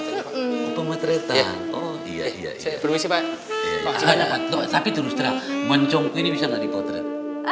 pemetretan oh iya iya saya permisi pak tapi terus terang ini bisa lari potret